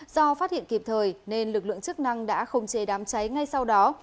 do phát hiện kịp thời nên lực lượng chức năng đã khống chế đám cháy ngay sau đó